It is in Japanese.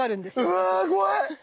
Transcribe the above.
うわ怖い！